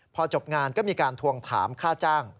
พอจบงานก็มีการทวงถามค่าจ้าง